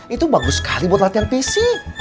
itu bagus sekali buat latihan fisik